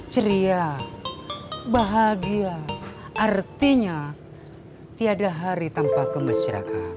seria bahagia artinya tiada hari tanpa kemasyarakat